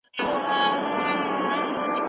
بهرنۍ پالیسي د هیواد د سیاسي او ملي ثبات اساس جوړوي.